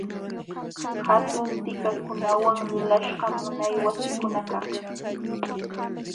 Hatun tikakunawan lulaśhqam unay wasikunakaq.